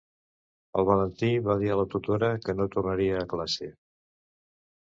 El Valentí va dir a la tutora que no tornaria a classe.